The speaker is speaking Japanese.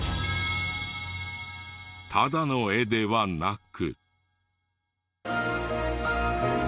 ただの絵ではなく。